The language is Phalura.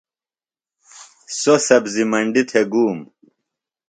سوۡ سبزیۡ منڈیۡ تھےۡ گُوم۔